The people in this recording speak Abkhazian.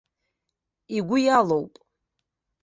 Игәы иалоуп.